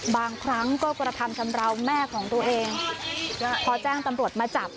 บางครั้งก็กระทำชำราวแม่ของตัวเองพอแจ้งตำรวจมาจับ